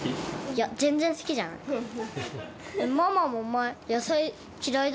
いや、全然好きじゃない。